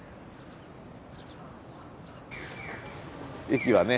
駅はね